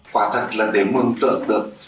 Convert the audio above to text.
quả thật là để mương tượng được